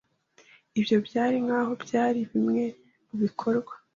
Ibyo byari nkaho byari bimwe mubikorwa.